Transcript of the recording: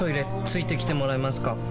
付いてきてもらえますか？